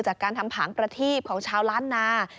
จากการทำผางประทีบของชาวล้านนา